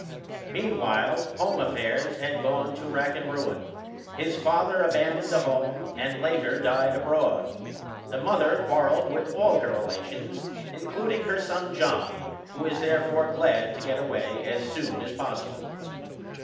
Meanwhile home affairs had gone to rack and ruin. His father abandoned the home, and later died abroad. The mother quarrelled with all her relations, including her son John; who was therefore glad to get away as soon as possible.